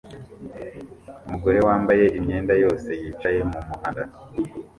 Umugore wambaye imyenda yose yicaye mumuhanda